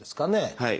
はい。